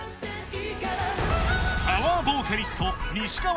パワーボーカリスト西川